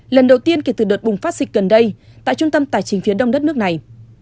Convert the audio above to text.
lần đầu tiên kể từ đợt bùng phát dịch gần đây tại trung tâm tài chính phía đông đất nước này